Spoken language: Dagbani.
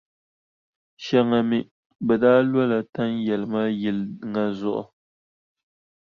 Shɛŋa mi, bɛ daa lola tanʼ yɛlima yili ŋa zuɣu.